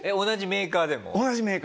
同じメーカーでも。